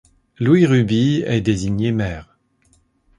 Louis Ruby est désigné maire.